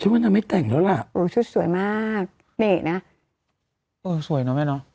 ว่านางไม่แต่งแล้วล่ะโอ้ชุดสวยมากนี่นะเออสวยเนอะแม่เนอะ